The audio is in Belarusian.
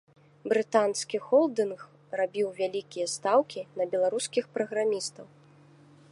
Брытанскі холдынг рабіў вялікія стаўкі на беларускіх праграмістаў.